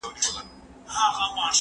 زه مخکي مېوې راټولې کړي وې،